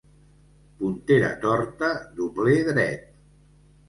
Puntera torta, dobler dret.